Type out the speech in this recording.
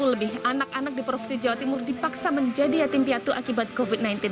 sepuluh lebih anak anak di provinsi jawa timur dipaksa menjadi yatim piatu akibat covid sembilan belas